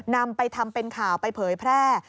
นำไปทำเป็นข่าวไปเผยแพร่